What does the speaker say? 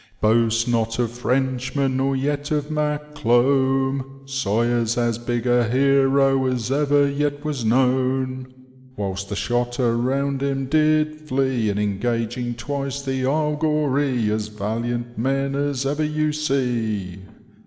Boajt not of Frenchmen, nor yet of Maclome. Sawyer's as big a hero as ever yet was known. Whilst the shot around him did flee. In engaging twice the Isle Goree, As valiant men as ever you see.